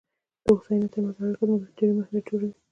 د هوساینې ترمنځ اړیکه زموږ د تیورۍ محور جوړوي.